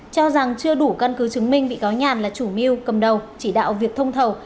cho rằng chưa đủ căn cứ chứng minh bị cáo nhàn là chủ mưu cầm đầu chỉ đạo việc thông thầu